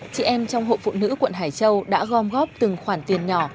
chị em trong hội phụ nữ quận hải châu đã gom góp từng khoản tiền nhỏ